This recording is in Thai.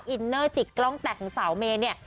อินเนอร์จิกกล้องแตกของสาวเมย์เนี่ย